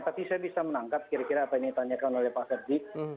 tapi saya bisa menangkap kira kira apa yang ditanyakan oleh pak ferdi